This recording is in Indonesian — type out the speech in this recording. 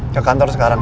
ke kantor sekarang